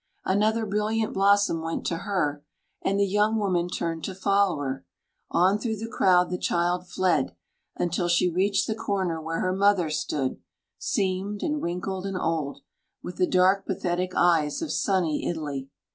Another brilliant blossom went to her, and the young woman turned to follow her; on through the crowd the child fled, until she reached the corner where her mother stood, seamed and wrinkled and old, with the dark pathetic eyes of sunny Italy.